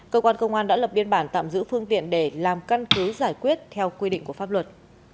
cơ quan công an đã lập biên bản tạm giữ phương tiện để làm căn cứ giải quyết theo quy định của pháp luật